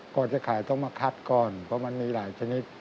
ก่อนจะขายต้องมาคัดก่อนเพราะมันมีหลายชนิด